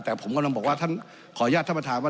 แต่ผมกำลังบอกว่าท่านขออนุญาตท่านประธานว่า